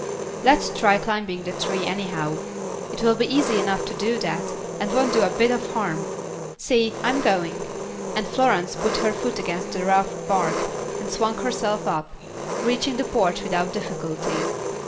"Let's try climbing the tree anyhow. It will be easy enough to do that, and won't do a bit of harm. See, I'm going," and Florence put her foot against the rough bark, and swung herself up, reaching the porch without difficulty.